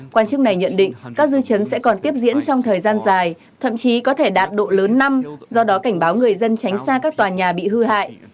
quan chức này nhận định các dư chấn sẽ còn tiếp diễn trong thời gian dài thậm chí có thể đạt độ lớn năm do đó cảnh báo người dân tránh xa các tòa nhà bị hư hại